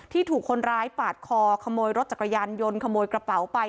ถูกคนร้ายปาดคอขโมยรถจักรยานยนต์ขโมยกระเป๋าไป